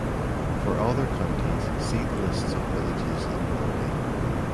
For other counties see the lists of villages in Norway.